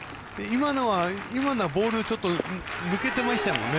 今のはボールちょっと抜けてましたよね。